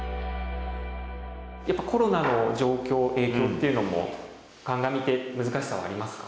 やっぱコロナの状況影響っていうのも鑑みて難しさはありますか？